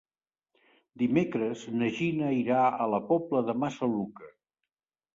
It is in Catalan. Dimecres na Gina irà a la Pobla de Massaluca.